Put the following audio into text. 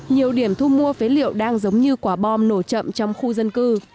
nhiều điểm thu mua phế liệu đang giống như quả bom nổ chậm trong khu dân cư